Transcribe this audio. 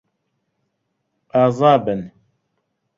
ئازا بن.